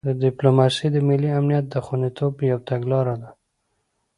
ډیپلوماسي د ملي امنیت د خوندیتوب یو تګلاره ده.